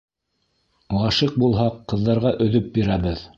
Ғашиҡ булһаҡ, ҡыҙҙарға өҙөп бирәбеҙ.